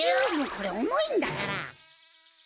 これおもいんだから。